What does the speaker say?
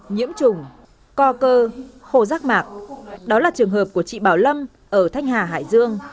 nhiễm trùng co cơ rác mạc đó là trường hợp của chị bảo lâm ở thanh hà hải dương